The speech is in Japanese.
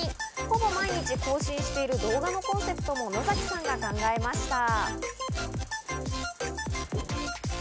ほぼ毎日更新している動画のコンセプトも野崎さんが考えました。